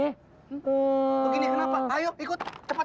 hmm begini kenapa ayo ikut cepat